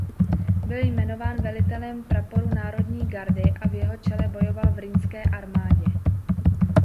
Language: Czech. Byl jmenován velitelem praporu národní gardy a v jeho čele bojoval v Rýnské armádě.